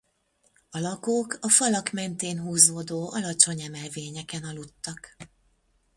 A lakók a falak mentén húzódó alacsony emelvényeken aludtak.